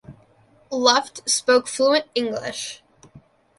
Luft spoke fluent English.